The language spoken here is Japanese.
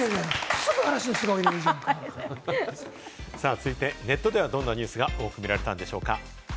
続いてネットではどんなニュースが多く見られたんでしょうか？